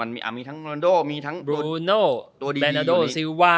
มีทั้งบรูน้โดมีทั้งตัวดี